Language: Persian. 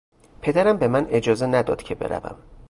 پدرم به من اجازه نداد که بروم.